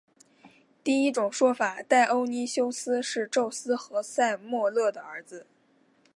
第一种说法戴欧尼修斯是宙斯和塞墨勒的儿子。